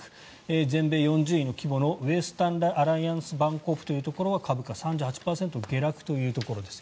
全米４０位の規模のウェスタンアライアンス・バンコープというところは株価３８％下落というところです。